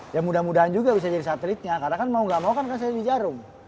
ya mudah mudahan juga bisa jadi satelitnya karena kan mau gak mau kan saya di jarum